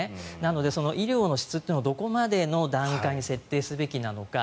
なので、医療の質をどこまでの段階に設定すべきなのか。